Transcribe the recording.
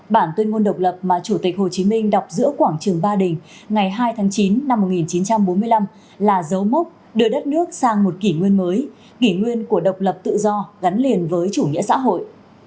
bản tuyên ngôn độc lập mà chủ tịch hồ chí minh đọc giữa quảng trường ba đình ngày hai tháng chín năm một nghìn chín trăm bốn mươi năm là dấu mốc đưa đất nước sang một kỷ nguyên mới kỷ nguyên của độc lập tự do gắn liền với chủ nghĩa xã hội